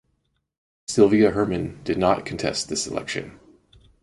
Sylvia Hermon did not contest this election.